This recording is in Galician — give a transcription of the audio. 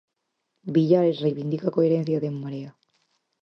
Villares reivindica coherencia de En Marea.